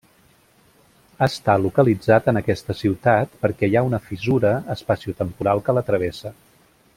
Està localitzat en aquesta ciutat perquè hi ha una fissura espaciotemporal que la travessa.